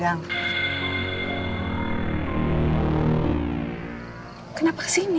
emangnya kamu pasti diundang